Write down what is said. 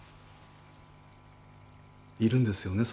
いるんですよね